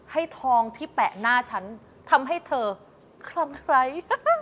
ทองที่แปะหน้าฉันทำให้เธอคลั่งไร้